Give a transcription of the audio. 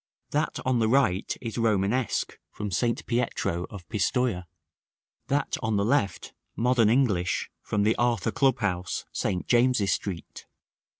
That on the right is Romanesque, from St. Pietro of Pistoja; that on the left, modern English, from the Arthur Club house, St. James's Street.